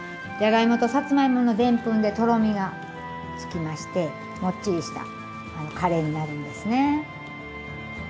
じゃがいもとさつまいものでんぷんでとろみがつきましてもっちりしたカレーになるんですね。